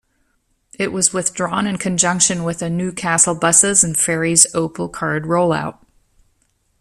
It was withdrawn in conjunction with the Newcastle Buses and Ferries Opal card rollout.